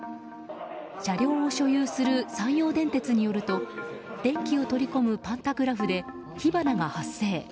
車両を所有する山陽電鉄によると電気を取り込むパンタグラフで火花が発生。